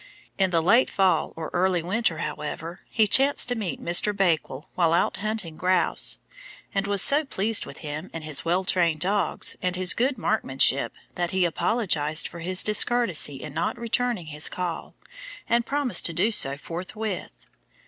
In the late fall or early winter, however, he chanced to meet Mr. Bakewell while out hunting grouse, and was so pleased with him and his well trained dogs, and his good marksmanship, that he apologised for his discourtesy in not returning his call, and promised to do so forthwith.